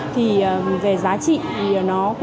thì về giá trị thì nó cũng tương đồng nhau